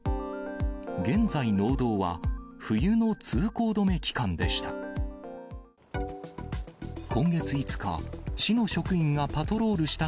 現在、農道は冬の通行止め期間でした。